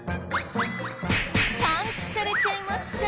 パンチされちゃいました。